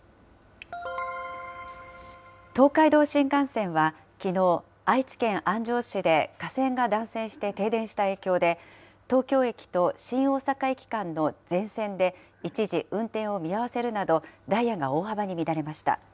東海道新幹線は、きのう、愛知県安城市で架線が断線して停電した影響で、東京駅と新大阪駅間の全線で一時、運転を見合わせるなど、ダイヤが大幅に乱れました。